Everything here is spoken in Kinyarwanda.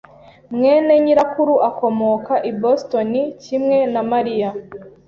mwene nyirakuru akomoka i Boston kimwe na Mariya.